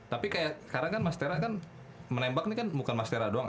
tapi kayak karena kan mas tera kan menembak nih kan bukan mas tera doang